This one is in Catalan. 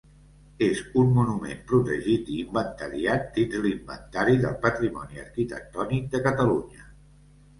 És un monument protegit i inventariat dins l'Inventari del Patrimoni Arquitectònic de Catalunya.